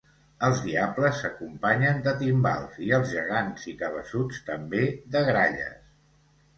Els diables s'acompanyen de timbals i els gegants i cabeçuts també de gralles.